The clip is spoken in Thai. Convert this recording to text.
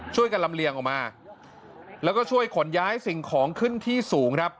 ช่วยกันลำเลียงออกมาแล้วก็ช่วยขนย้ายสิ่งของขึ้นที่สูงครับ